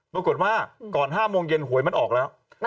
ปรากฏว่าก่อน๕โมงเย็นหวยมันออกแล้ว